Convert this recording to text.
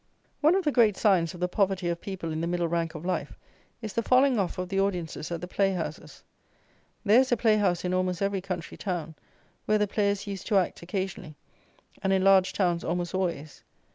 One of the great signs of the poverty of people in the middle rank of life is the falling off of the audiences at the playhouses. There is a playhouse in almost every country town, where the players used to act occasionally; and in large towns almost always.